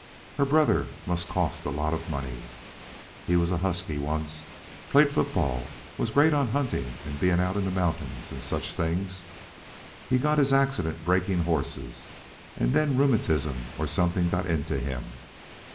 Her brother must cost a lot of money. He was a husky once, played football, was great on hunting and being out in the mountains and such things. He got his accident breaking horses, and then rheumatism or something got into him.